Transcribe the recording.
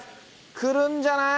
来るんじゃない？